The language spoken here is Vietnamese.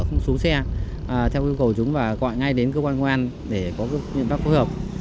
không xuống xe theo yêu cầu chúng và gọi ngay đến cơ quan ngoan để có những biện pháp phối hợp